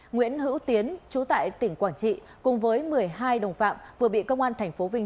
nguyễn hữu tiến chú tại tỉnh quảng trị cùng với một mươi hai đồng phạm vừa bị công an tp vinh